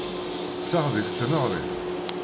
Ttetteɣ deg tneɣrit.